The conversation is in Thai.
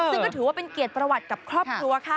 ซึ่งก็ถือว่าเป็นเกียรติประวัติกับครอบครัวค่ะ